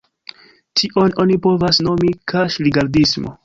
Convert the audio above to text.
Tion oni povas nomi "kaŝ-rigardismo".